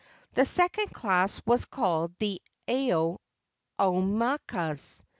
The second class was called the Ao Aumakuas.